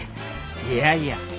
いやいや。